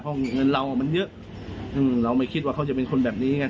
เพราะเงินเรามันเยอะเราไม่คิดว่าเขาจะเป็นคนแบบนี้ไง